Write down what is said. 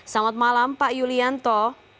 selamat malam pak yulianto